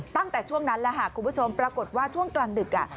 ตั้งแต่ช่วงนั้นแหละค่ะคุณผู้ชมปรากฏว่าช่วงกลางดึก